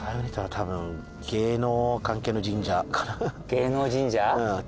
芸能神社？